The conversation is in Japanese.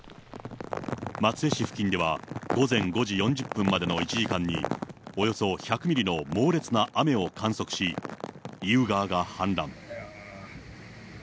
松江市付近では、午前５時４０分までの１時間に、およそ１００ミリの猛烈な雨を観測し、意宇川が氾濫。